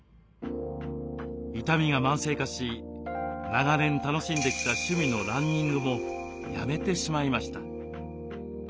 痛みが慢性化し長年楽しんできた趣味のランニングもやめてしまいました。